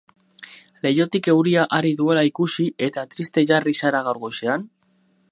Leihotik euria ari duela ikusi, eta triste jarri zara gaur goizean?